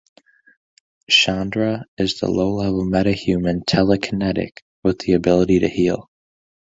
Shondra is a low level metahuman telekinetic with the ability to heal.